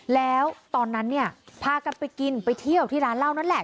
แล้วตอนนั้นเนี่ยพากันไปกินไปเที่ยวที่ร้านเหล้านั่นแหละ